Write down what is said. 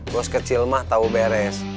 gue sekecil mah tau beres